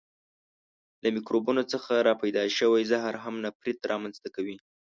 له میکروبونو څخه را پیدا شوی زهر هم نفریت را منځ ته کوي.